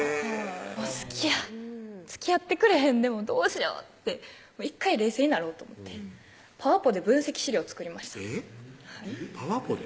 好きやつきあってくれへんでもどうしようって１回冷静になろうと思って「パワポ」で分析資料作りました「パワポ」で？